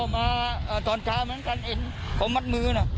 มาตอนเช้าเจอคนมัดมื้อน่ะ